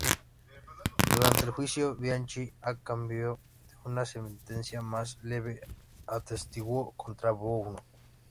Durante el juicio, Bianchi, a cambio de una sentencia más leve, atestiguó contra Buono.